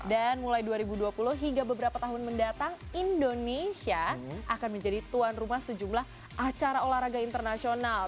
dan mulai dua ribu dua puluh hingga beberapa tahun mendatang indonesia akan menjadi tuan rumah sejumlah acara olahraga internasional